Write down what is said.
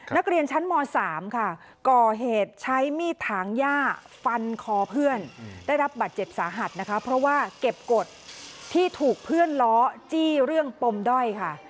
นักเรียนชั้นม๓ค่ะก่อเหตุใช้มีดถางย่าฟันคอเพื่อนได้รับบัตรเจ็บสาหัสนะคะเพราะว่าเก็บกฎที่ถูกเพื่อนล้อจี้เรื่องปมด้อยค่ะ